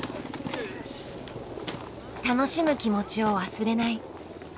「楽しむ気持ちを忘れない」。